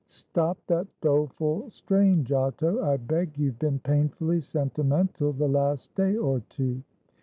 "Stop that doleful strain, Giotto, I beg; you've been painfully sentimental the last day or two."